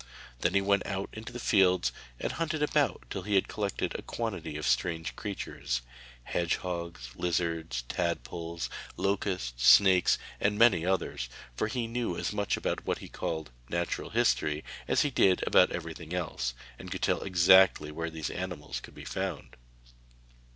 Then he went out into the fields and hunted about till he had collected a quantity of strange creatures, hedgehogs, lizards, tadpoles, locusts, snakes and many others, for he knew as much about what is called 'Natural History' as he did about everything else, and could tell exactly where these animals could be found.